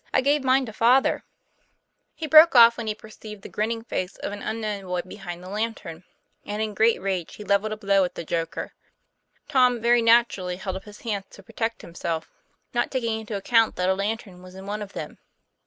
I gave mine to Father " He broke off when he perceived the grinning face of an unknown boy behind the lantern, and in great rage he levelled a blow at the joker. Tom very naturally held up his hands to protect him self, not taking into account that a lantern was in one of them.